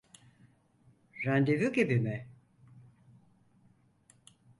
Randevu gibi mi?